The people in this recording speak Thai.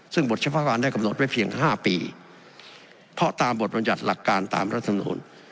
ซึ่งบทเฉพาะการได้กำหนดไว้เพียง๕ปีเพราะตามบทบรรยัติหลักการตามรัฐมนูล